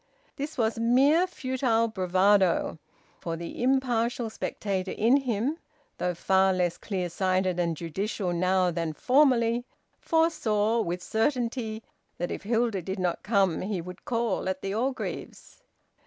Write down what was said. This was mere futile bravado, for the impartial spectator in him, though far less clear sighted and judicial now than formerly, foresaw with certainty that if Hilda did not come he would call at the Orgreaves'.